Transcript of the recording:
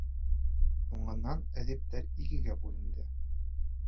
Һуңынан әҙиптәр икегә бүленде.